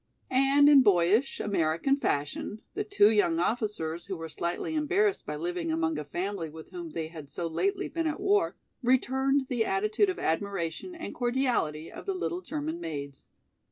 And in boyish, American fashion, the two young officers, who were slightly embarrassed by living among a family with whom they had so lately been at war, returned the attitude of admiration and cordiality of the little German maids.